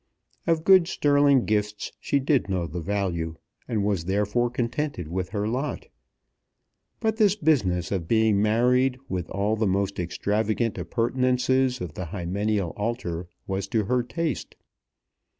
Of good sterling gifts she did know the value, and was therefore contented with her lot. But this business of being married, with all the most extravagant appurtenances of the hymeneal altar, was to her taste.